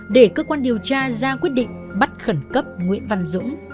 để cơ quan điều tra ra quyết định bắt khẩn cấp nguyễn văn dũng